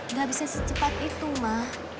nggak bisa secepat itu mah